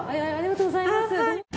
ありがとうございます。